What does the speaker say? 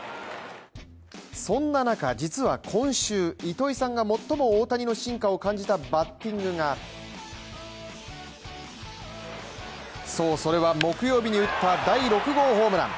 そんな中、実は今週、糸井さんが最も大谷の進化を感じたバッティングがそう、それは木曜日に打った第６号ホームラン。